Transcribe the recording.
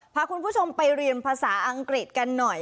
พาคุณผู้ชมไปเรียนภาษาอังกฤษกันหน่อย